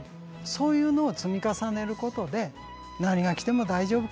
そういうのを積み重ねることで何が来ても大丈夫かな。